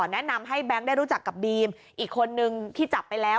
แนะนำให้แบงค์ได้รู้จักกับบีมอีกคนนึงที่จับไปแล้ว